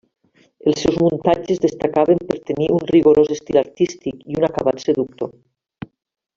Els seus muntatges destacaven per tenir un rigorós estil artístic i un acabat seductor.